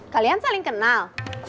kalian saling kenal